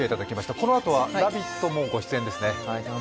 このあとは「ラヴィット！」もご出演ですね。